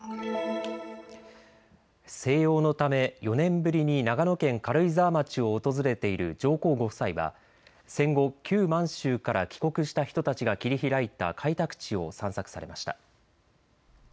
静養のため４年ぶりに長野県軽井沢町を訪れている上皇ご夫妻は戦後、旧満州から帰国した人たちが切り開いた開拓地を散策されました。